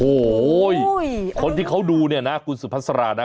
โอ้โหคนที่เขาดูเนี่ยนะคุณสุภาษานะ